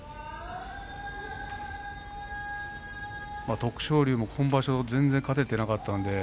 徳勝龍も今場所全然勝ててなかったんでね。